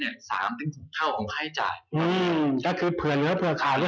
แต่อย่างง่ายสำหรับรูปเงินเนื้อยังไร